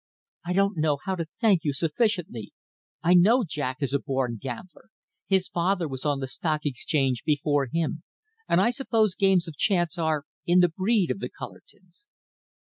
"I don't know how to thank you sufficiently. I know Jack is a born gambler. His father was on the Stock Exchange before him, and I suppose games of chance are in the breed of the Cullertons."